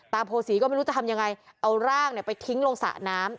โพศีก็ไม่รู้จะทำยังไงเอาร่างไปทิ้งลงสระน้ำ